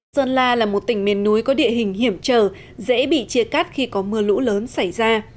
sơn la là một tỉnh miền núi có địa hình hiểm trở dễ bị chia cắt khi có mưa lũ lớn xảy ra